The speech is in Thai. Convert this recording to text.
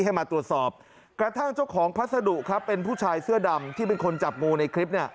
หัวเชื้อดำที่เป็นคนจับงูในคลิป